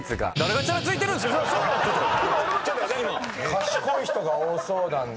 賢い人が多そうなんで。